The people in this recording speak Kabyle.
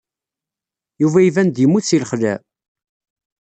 Yuba iban-d yemmut seg lxelɛa.